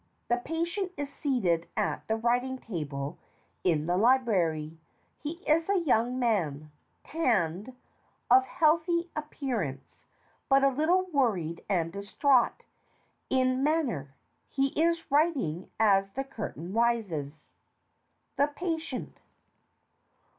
The PATIENT is seated at the writing table in the Library. He is a young man, tanned, of healthy ap pearance, but a little worried and distraught in man ner. He is writing as the Curtain rises. THE PATIENT.